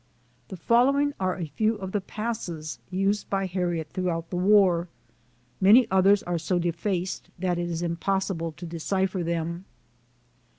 The following are a few of the passes used by Harriet throughout the war. Many others are so defaced that it is impossible to decipher them.